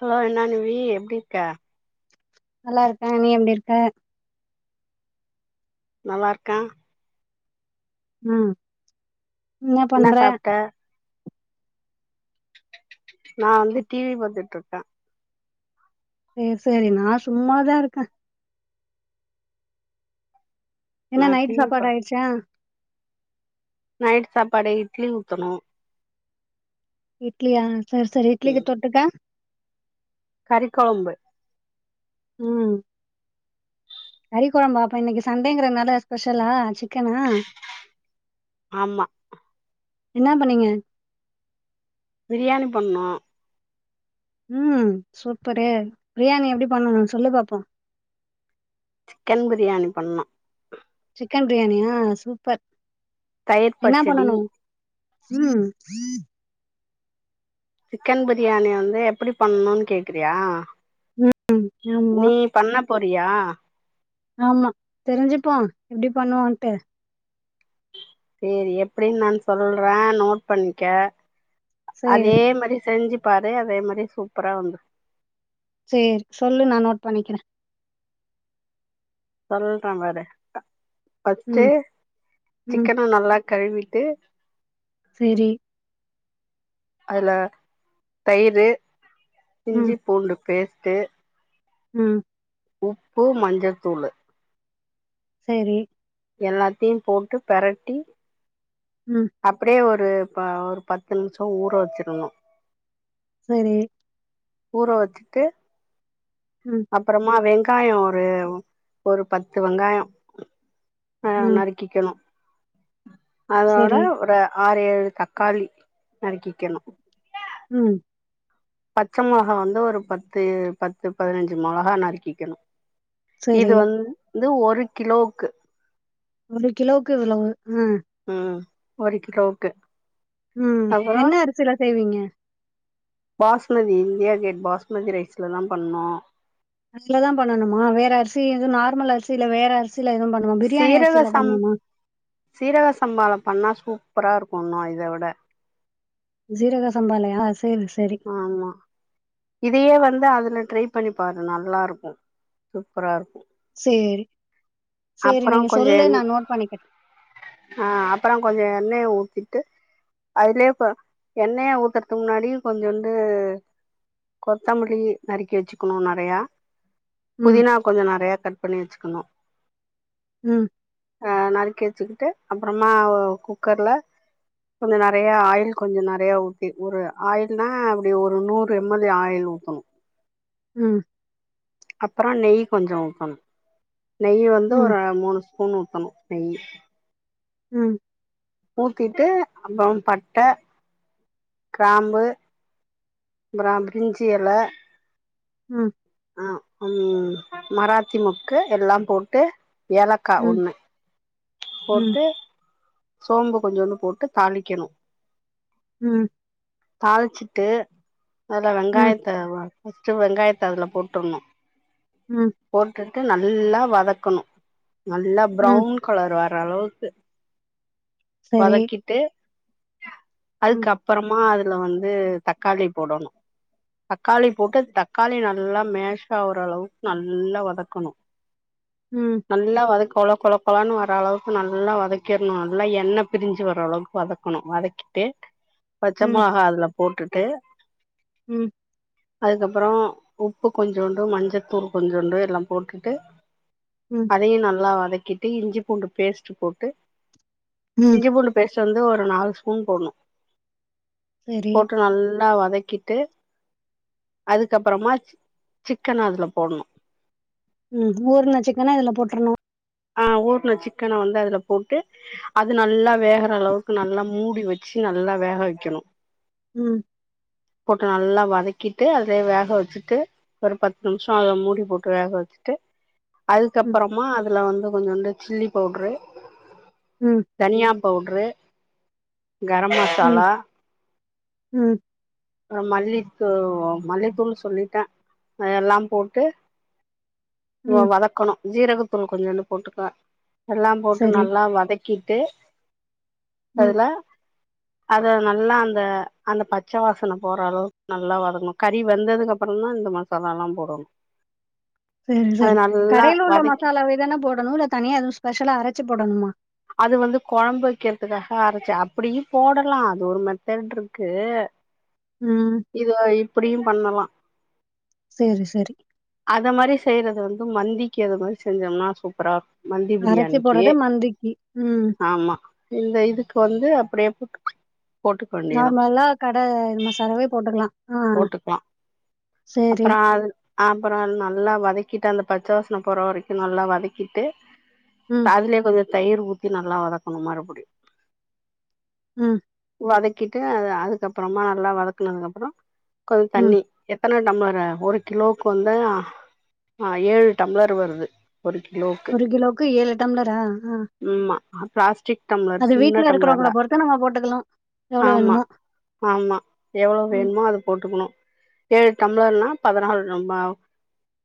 Hello என்னா நிவி எப்டிருக்க நல்லா இருக்கே நீ எப்டி இருக்க நல்லா இருக்கே ம், என்ன பண்ற நா வந்து டிவி பாத்துட்டு இரு சேரி சேரி நா சும்மாதா இருக்கே என்ன நா நைட்டு டிவி பா சாப்பாடு ஆயிடுச்சா நைட் சாப்பாடு இட்லி ஊத்தணு இட்லியா சேரி சேரி இட்லிக்கு தொட்டுக்க கறிக்கொழம்பு ம் கறிக்கொழம்பா அப்ப இன்னைக்கி சண்டேங்கறனால ஸ்பெஷலா சிக்கனா ஆமா என்னா பண்ணீங்க பிரியாணி பண்ணோ ம் சூப்பரு பிரியாணி எப்டி பண்ணணு சொல்லு பாப்போ சிக்கன் பிரியாணி பண்ணோ சிக்கன் பிரியாணியா சூப்பர் தயிர் என்ன பச்சடி பண்ணணு ம் சிக்கன் பிரியாணி வந்து எப்படி பண்ணுன் கேக்றியா ம் ஆமா பண்ண போறியா ஆமா தெரிஞ்சுப்போ எப்டி பண்ணுன்ட்டு சேரி எப்டின் நான் சொல்ற நோட் பண்ணிக்கே அதே சேரி மாரி செஞ்சி பாரு அதே மாரி சூப்பரா வந்து சேர் சொல்லு நா நோட் பண்ணிக்கிற சொல்ற பாரு ஃபர்ஸ்ட்டு ம் ம் சிக்கன நல்லா கழுவிட்டு செரி அதுல தயிரு ம் இஞ்சி பூண்டு பேஸ்டு ம் உப்பு மஞ்சதூளு செரி எல்லாத்தையு போட்டு பெரட்டி ம் அப்டியே ஒரு ஒரு பத்து நிம்ஷோ ஊற வச்சிர்ணு செரி ஊறவச்சிட்டு ம் அப்புறமா வெங்காயோ ஒரு ஒரு பத்து வெங்காயோ அ ம், நறு க்கிணு அதோட சரி, ஒரு ஆறு ஏழு தக்காளி நறுக்கிக்கணு ம் பச்ச மொளகா வந்து ஒரு பத்து பத்து பதினஞ்சு மொளகா நறுக்கிக்கணு சரி. இது வந்து ஒரு கிலோக்கு ஒரு கிலோக்கு இவ்ளவு ம் ம் ஒரு கிலோக்கு ம் என்ன அரிசில செய்வீங்க பாஸ்மதி இந்தியா கேட் பாஸ்மதி ரைஸ்ல தா பண்ணோ அதுலதா பண்ணனுமா வேற அரிசி எது நார்மல் அரிசி இல்ள வேற அரிசில எதுவு பண் சீரக சம் சீரக சம்பாளா பண்ணா சூப்பரா இருக்கு இன்னு இத விட சீரக சம்பாளையா செரி செரி ஆமா இதையே வந்து அதுல ட்ரை பண்ணி பாரு நல்லாருக்கு சூப்பராருக்கு செரி செரி நீங்க கொஞ்சோ சொல்லு எண் நா நோட் பண்ணிக்ற ஆ அப்பற கொஞ்ச எண்ணெய ஊத்திட்டு அதுலே இப்ப எண்ணெய ஊத்றதுக் முன்னாடி கொஞ்சோன்டு கொத்தமல்லி நறுக்கி வச்சுக்கணு நறையா ம், புதினா கொஞ்ச நறையா கட் பண்ணி வச்சுக்குணு ம் அ நறுக்கி வச்சுக்கிட்டு அப்புறமா குக்கர்ல கொஞ்ச நறையா ஆயில் கொஞ்ச நறையா ஊத்தி ஒரு ஆயில்னா அப்டி ஒரு நூறு எம்எல் ஆயில் ஊத்தணு ம் அப்புறோ நெய் கொஞ்சோ ஊத்தணு நெய் வந்து ம், ஒரு மூணு ஸ்பூன் ஊத்தணு நெய்யி ம் ஊத்திட்டு அப்றோ பட்ட கிராம்பு அப்றா பிரிஞ்சி எல ம் ஆ ம் மராத்தி முக்கு எல்லா போட்டு ஏலக்கா ம், ஒன்னு ம், போட்டு சோம்பு கொஞ்சோன்டு போட்டு தாளிக்கணு ம் தாளிச்சிட்டு அதுல ம், வெங்காயத்த வ ஃபஸ்ட்டு வெங்காயத்த அதுல போட்டுர்ணு ம் போட்டுட்டு நல்லா வதக்கணு நல்லா ம். ப்ரவ்ன் கலர் வர்ற அளவுக்கு சரி. வதக்கிட்டு ம், அதுக்கப்றமா அதுல வந்து தக்காளி போடணு தக்காளி போட்டு தக்காளி நல்லா மேஷ் ஆவுற அளவுக் நல்லா வதக்கணு ம் நல்லா வதக் கொழ கொழ கொழான்னு வர அளவுக் கு நல்லா வதக்கிர்ணு நல்லா எண்ண பிரிஞ்சு வர அளவுக்கு வதக்கணு வதக்கிட்டு பச்ச ம், மொளகா அதுல போட்டுட்டு ம் அதுக்கப்றோ உப்பு கொஞ்சோண்டு மஞ்சத்தூள் கொஞ்சோண்டு எல்லா போட்டுட்டு [unintelligible] ம் அதயு நல்லா வதக்கிட்டு இஞ்சி பூண்டு பேஸ்ட் போட்டு ம். இஞ்சி பூண்டு பேஸ்டு வந்து ஒரு நாலு ஸ்பூன் போட்னு சரி. போட்டு நல்லா வதக்கி டு அதுக்கப்றமா சி சிக்கன் அதுல போட்ணு ம் ஊர்ன்ன சிக்கன அதுல போட்டுர்ணு ஆ ஊர்ன சிக்கன வந்து அதுல போட்டு அது நல்லா வேகுற அளவுக்கு நல்லா மூடி வச்சு நல்லா வேக வைக்கணு ம் போட்டு நல்லா வதக்கிட்டு அதுலே வேக வச்சுட்டு ஒரு பத்து நிமிசோ ஆகு மூடி போட்டு வேக வச்சுட்டு ம் அதுக்கப்றமா அதுல வந்து கொஞ்சோன்டு சில்லி பவுட்ரு ம் தனியா பவுட்ரு கரம் ம் மசாலா ம் அ மல்லி தூ மல்லி தூள் செல்லிட்டே அது எல்லா போட்டு வோ ம் வதக்கணு ஜீரகத்தூள் கொஞ்சோன்டு போட்டுக்க எல்லாம் போட்டு சரி நல்லா வதக் கிட்டு ம் அதுல அத நல்லா அந்த அந்த பச்ச வாச வாசன போற அளவுக்கு நல்லா வதக்கணு கறி வெந்ததுக்கு அப்றந்தா இந்த மசாலா எல்லா போடணு சேரி அது சேரி நல்லா கடையில உள்ள வதக்கி மசாலாவேதானா போடணு இல்ல தனியா எதுவு ஸ்பெஷலா அரச்சி போடணுமா அது வந்து கொழம்பு வைக்கிறதுக்காக அரச்சு அப்டியு போடலா அது ஒரு மெத்தட் இருக்கு ம் இத இப்டியும் பண்ணலா சேரி சேரி அத மாரி செய்யறதே வந்து மந்திக்கு இருக்க மாரி செஞ்சோம்னா சூப்பரா இருக்கூ அரைச்சி போட்றது மந்திக்கி ம் ஆமா இந்த இதுக்கு வந்து அப்டியே போட்டுக் நார்மலா கட இது மசாலாவே போட்டுக்லா போட்டுக்லா அப்பறா அது அப்பறோ நல்லா வதக்கிட்டு அந்த பச்ச வாசன போற வரைக்கு நல்லா வதக்கிட்டு ம் அதுலேயே கொஞ்ச தயிர் ஊத்தி நல்லா வதக்கணு மறுபடியு ம் வதக்கிட்டு அ அதுக்கப்புறமா நல்லா வதக்குனதுக்கு அப்புறோ கொஞ்சோ ம் தண்ணி எத்தன டம்ளரு ஒரு கிலோவுக்கு வந்து அ ஏழு டம்ளர் வருது ஒரு கிலோ ஒரு கிலோவுக்கு ஏழு டம்லரா ஆ ம்மா பிளாஸ்டிக் டம்ளர் அது சின்ன வீட்ல டம்ளர்ல இருக்கிறவங்கள பொறுத்து நம்ம போட்டுக்கலா எவ்ளோ ஆமா வேணுமோ ஆமா எவ்ளோ ம் வேணுமோ அத போட்டுக்குணு ஏழு டம்ளர்னா பதினாலு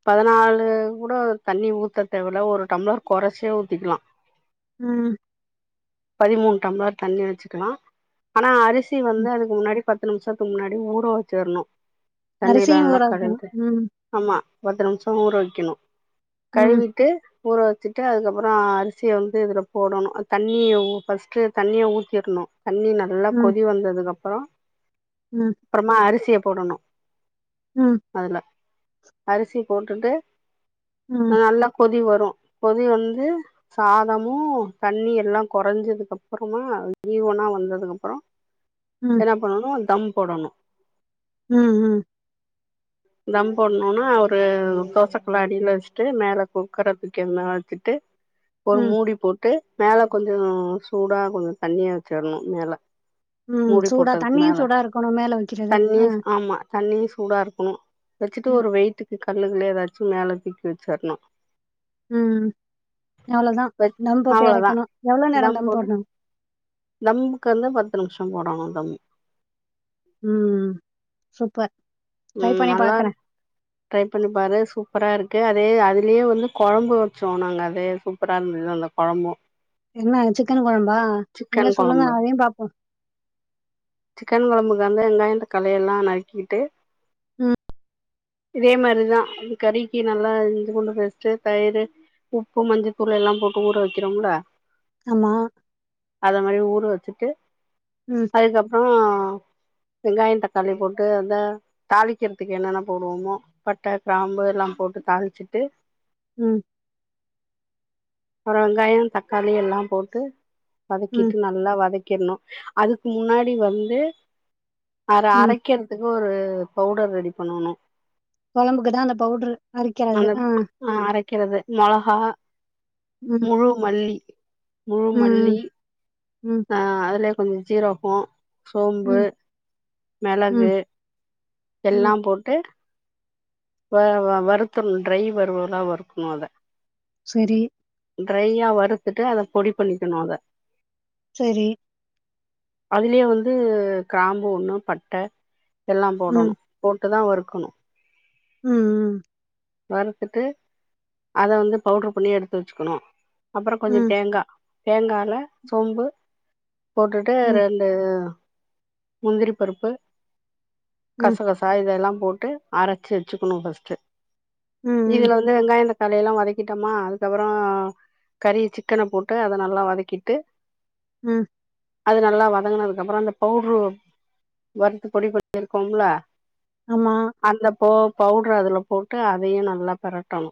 பதனாலு கூட தண்ணி ஊத்த தேவல ஒரு டம்ளர் கொறைச்சே ஊத்திக்கலா ம் பதிமூணு டம்ளர் தண்ணி வச்சுக்கலா ஆனா அரிசி வந்து ம் அதுக்கு முன்னாடி பத்து நிம்ஷத்துக்கு முன்னாடி ஊற வச்சர்ணு தண்ணில்லா அரிசியு நல்லா ஊற வைக்கணு கழுவுட்டு ம் ஆமா பத்து நிமிஷொ ஊர வக்கிணு ம் கழுவிட்டு ஊற வச்சுட்டு அதுக்கப்பற அரிசிய வந்து இதுல போடணு தண்ணிய ஃபஸ்ட்டு தண்ணிய ஊத்திர்ணு தண்ணி நல்லா ம் கொதி வந்ததுக்கு அப்பறோ ம் அப்பறமா அரிசிய போடணு ம் அதுல அரிசிய போட்டுட்டு ம் நல்லா கொதி வரு பொதி வந்து சாதமு தண்ணி எல்லா கொறஞ்சதுக்கு அப்பறமா ஈவனா வந்ததுக்கு அப்பறொ ம் என்ன பண்ணணு தம் போடணு ம் ம் தம் போட்ணோனா ஒரு தோசக்கல்ல அடியில வச்சுட்டு மேல குக்கர தூக்கி அது மேல் வச்சுட்டு ஒரு ம், மூடி போட்டு மேல கொஞ்ச சூடா கொஞ்ச தண்ணிய வச்சர்ணு மேல ம். மூடி சூடா போட்டதுக்கு தண்ணியும் மேல சூடா இருக்கணும் மேல வைக்கிறது. தண்ணி ஆ. ஆமா தண்ணியு சூடா இருக்குணு வெச்சுட்டு ம். ஒரு வெயிட்டுக்கு கல்லுகளயே ஏதாச்சு மேல தூக்கி வச்சிர்ணு ம் ம் அவ்ளோதா வ தம் போட்டு அவ்ளோதா எரக்கணு எவ்ளோ நேரொ தம் போட்ணு தம்முக்கு வந்து பத்து நிமிஷொ போடணு தம் ம் சூப்பர் ட்ரை ம் பண்ணி நல்லாருக் பார்க்குறேன். ட்ரை பண்ணிப்பாரு சூப்பரா இருக்கு அதே அதுலேயே வந்து கொழம்பு வைச்சோ நாங்க அதே சூப்பரா இருந்தது அந்த கொழம்பு என்ன சிக்கன் குழம்பா நீங்க சிக்கன் சொல்லுங்க கொழம்பு அதையு பாப்போ சிக்கன் குழம்புக்கு வந்து வெங்காய தக்காளியெல்லா நறுக்கிக்கிட்டு இதே மாரிதா கறிக்கு நல்லா இஞ்சி பூண்டு பேஸ்ட்டு தயிர் உப்பு மஞ்சத்தூள் எல்லா போட்டு ஊற வைக்கிறோங்களா ஆமா அத மாரி ஊற வெச்சுட்டு ம் அதுக்கப்புறோ வெங்காயொ தக்காளி போட்டு அத தாளிக்கிறதுக்கு என்னென்னா போடுவோமோ பட்ட கிராம்பு எல்லா போட்டு தாளிச்சுட்டு ம் அப்புற வெங்காயோ தக்காளி எல்லா போட்டு ம், வதக்கிட்டு நல் லா வதக்கிட்ணு அதுக்கு முன்னாடி வந்து அர ம். அரைக்கிற துக்கு ஒரு பவுடர் ரெடி பண்ணணு கொழம்புக்கு தா அந்த பவுட்ரு அந்த அ அரைக்கிறது மெளகா ம், முழு மல்லி முழு ம் மல்லி ம் ஆ அதலே கொஞ்ச ஜீரகொ சோம்பு ம், ம், மெளகு எல்லா ம். போட்டு வ வருத்துணு ட்ரை வருவலா வருக்கனு அத சரி ட்ரையா வருறுத்துட்டு அத பொடி பண்ணிக்கணு அத சரி அதுலயே வந்து கிராம்பு ஒண்ணு பட்ட எல்லா ம், போடணு போட்டு தா வறுக்கணு ம் ம் வறுத்துட்டு அத வந்து பவுட்ரு பண்ணி எடுத்து வெச்சுக்கணு அப்புற கொஞ்ச ம், தேங்கா தேங்கால சோம்பு போட்டுட்டு ம், ம், ரெண்டு முந்திரி பருப்பு ம், கசகச் சா இதெல்லா போட்டு அரச்சு வெச்சக்கணு ஃபஸ்ட்டு ம், இதுல வந்து வெங்காய தக் காளியெல்லா வதக்கிட்டோமா அதுக்கப்புறோ கறி சிக்கன போட்டு அத நல்லா வதக்கிட்டு ம் அது நல்லா வதங்குனதுக்கு அப்புறோ அந்த பவுட்ரு வருத்து பொடி [inaudible] இருக்கோம்லா ஆமா அந்த போ பவுட்ர அதுல போட்டு அதையு நல்லா பெரட்டணு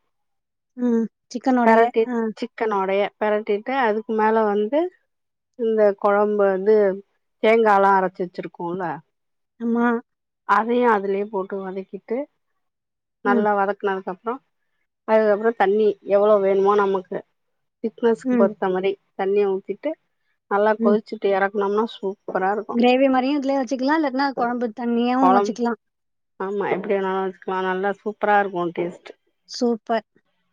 ம். சிக்கனோடயே. பெரட்டி ஆ. சிக்கனோடைய பெரட்டிட்டு அதுக்கு ‌மேல வந்து இந்த கொழம்பு வந்து தேங்கா எல்லா அரச்சு வெச்சிருக்கோல ஆமா அதையு அதுலயே போட்டு வதக்கிட்டு ம் நல்லா வதக்குனதுக்கு அப்புறொ அதுக்கப்புறோ தண்ணி எவ்ளோ வேணுமோ நமக்கு திக்னஸ்க்கு ம் பெருத்த மாரி தண்ணிய ஊத்திட்டு நல்லா ம் கொதிச்சிட்டு எறக்குனம்னா சூப்பரா இருக் கிரேவி மாரியு இதுலயே வெச்சுக்கலா இல்லட்னா கொழம்பு தண்ணியாவு வெச்சுக்கலா ஆமா எப்டினாலு வச்சுக்கலா நல்லா சூப்பரா இருக்கு டேஸ்ட் சூப்பர்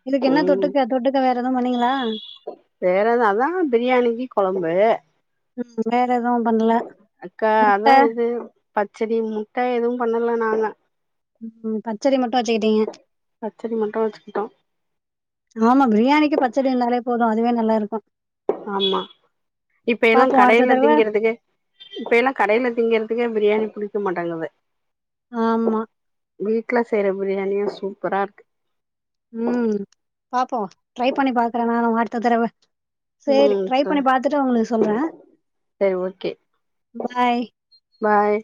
இதுக்கு என்ன ம் தொட்டுக்க தொட்டுக்க வேற எதுவு பண்ணீங்களா வேற எது அதா பிரியாணிக்கு கொழம்பு ம் வேற எதுவு பண்ணல அக்கா முட்ட அதா இது பச்சடி முட்ட எதுவு பண்ணல நானு ம் பச்சடி மட்டு வச்சுக்கிட்டீங்க பச்சடி மட்டு வச்சுக்கிட்டோ ஆமா பிரியாணிக்கு பச்சடி இருந்தாலே போதும் அதுவே நல்லா இருக்கு ஆமா இப்ப எல்லா பாப்போ அடுத்த கடையில தடவ திங்குறதுல்லயே இப்ப எல்லா கடையில திங்கறதுல்லயே பிரியாணி புடிக்க மாட்டங்கது ஆமா வீட்ல செய்ற பிரியாணியே சூப்பரா இருக்கு ம் பாப்போ ட்ரை பண்ணி பாக்குறே நானு அடுத்த தடவ சேரி ட்ரை பண்ணி ம் பாத்துட்டு உங்களுக்கு சொல்றே சரி ஓகே பாய். பாய்